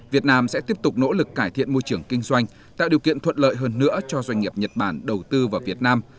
việt nam sẽ tiếp tục nỗ lực cải thiện môi trường kinh doanh tạo điều kiện thuận lợi hơn nữa cho doanh nghiệp nhật bản đầu tư vào việt nam